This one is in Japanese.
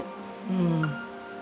うん。